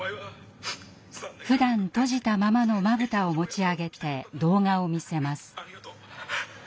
ふだん閉じたままのまぶたを持ち上げて動画を見せます。